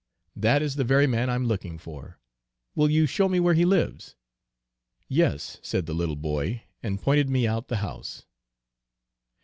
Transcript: "That is the very man I am looking for; will you show me where he lives?" "Yes," said the little boy, and pointed me out the house.